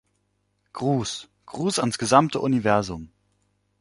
Gruß, Gruß ans gesamte Universum!